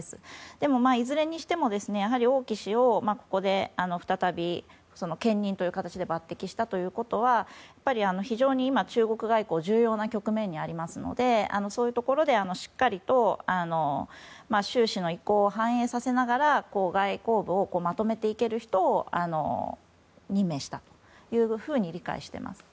でもいずれにしても、王毅氏をここで再び兼任という形で抜擢したということは非常に今、中国外交は重要な局面にありますのでそういうところでしっかりと習氏の意向を反映させながら外交部をまとめていける人を任命したというふうに理解してます。